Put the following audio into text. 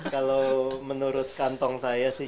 kalau menurut kantong saya sih